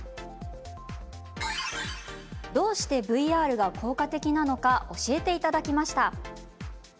どうしてＶＲが効果的なのか教えていただきました。